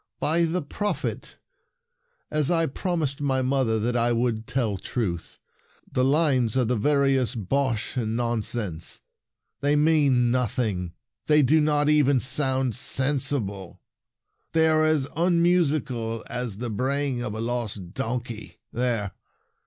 "By the Prophet, as I prom ised my mother that I would tell truth, the lines are the veriest bosh and nonsense! They mean nothing. They do not even sound sensible. They are as unmusical as the bray ing of a lost donkey! There!